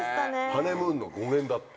ハネムーンの語源だって。